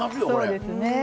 そうですね。